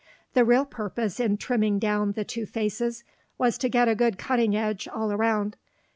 The real purpose in trimming down the two faces was to get a good cutting edge all around.